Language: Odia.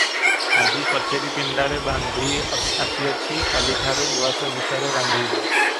ଆଜି କଚେରୀ ପିଣ୍ତାରେ ବାନ୍ଧି ଆସିଅଛି, କାଲିଠାରୁ ଉଆସ ଭିତରେ ବାନ୍ଧିବି ।